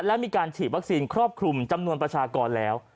และมีการฉีดวัคซีนครอบคลุมจำนวนประชากรแล้ว